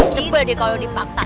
sebel deh kalau dipaksa